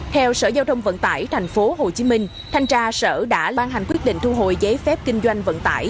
theo sở giao thông vận tải tp hcm thanh tra sở đã ban hành quyết định thu hồi giấy phép kinh doanh vận tải